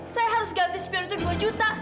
saya harus ganti spionnya itu dua juta